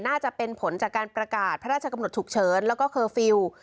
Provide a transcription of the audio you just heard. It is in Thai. น่าจะเป็นผลจากการประกาศพระราชกำหนดฉุกเฉินแล้วก็เคอร์ฟิลล์